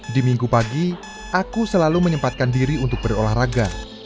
di minggu pagi aku selalu menyempatkan diri untuk berolahraga